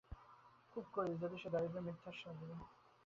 খুব করি, যদি সে দারিদ্র্য মিথ্যার দ্বারা নিজেকে ঢাকতে চেষ্টা করে।